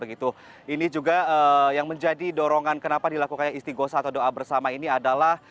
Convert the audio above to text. ini juga yang menjadi dorongan kenapa dilakukan isti gosah atau doa bersama ini adalah